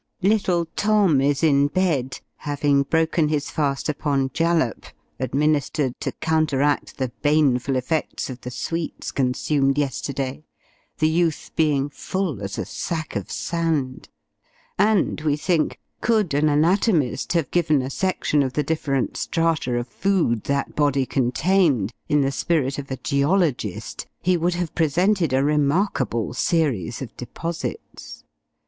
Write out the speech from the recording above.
Little Tom is in bed, having broken his fast upon jalap, administered to counteract the baneful effects of the sweets consumed yesterday the youth being full as a sack of sand; and, we think, could an anatomist have given a section of the different strata of food that body contained, in the spirit of a geologist, he would have presented a remarkable series of deposits.